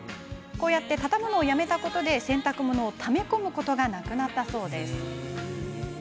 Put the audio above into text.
たたむのをやめたことで洗濯物をため込むことはなくなったそうです。